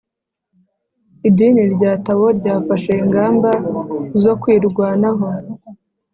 idini rya tao ryafashe ingamba zo kwirwanaho